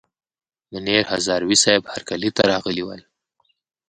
منیر هزاروي صیب هرکلي ته راغلي ول.